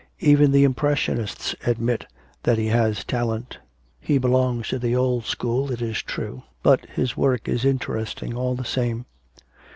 Even the impressionists admit that he has talent. He belongs to the old school, it is true, but his work is interesting all the same.'